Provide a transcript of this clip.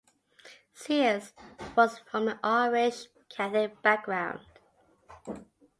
Sears was from an Irish Catholic background.